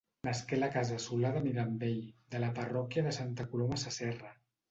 Nasqué a la casa Solar de Mirambell de la parròquia de Santa Coloma Sasserra.